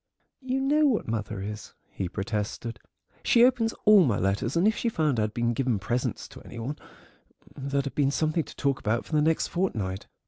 "You know what mother is," he protested; "she opens all my letters, and if she found I'd been giving presents to any one there'd have been something to talk about for the next fortnight."